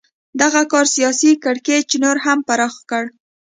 دغه کار سیاسي کړکېچ نور هم پراخ کړ.